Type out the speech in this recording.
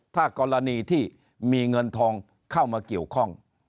ถ้ากรณีที่มีเงินทองเข้ามาเกี่ยวข้อง